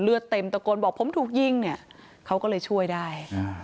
เต็มตะโกนบอกผมถูกยิงเนี่ยเขาก็เลยช่วยได้